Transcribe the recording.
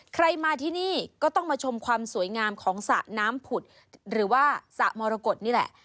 ใครมาที่นี่ก็ต้องมาชมความสวยงามของสระน้ำผุดหรือว่าสระมรกฏนี่แหละ